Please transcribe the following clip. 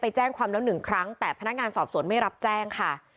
แจ้งความแล้วหนึ่งครั้งแต่พนักงานสอบสวนไม่รับแจ้งค่ะ